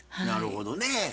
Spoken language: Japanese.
なるほどね。